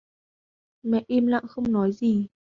mẹ im lặng không nói gì